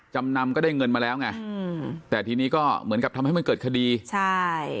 จำนำก็ได้เงินมาแล้วไงอืมแต่ทีนี้ก็เหมือนกับทำให้มันเกิดคดีใช่